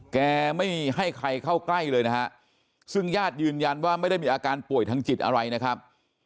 แกไม่ให้ใครเข้าใกล้เลยนะฮะซึ่งญาติยืนยันว่าไม่ได้มีอาการป่วยทางจิตอะไรนะครับ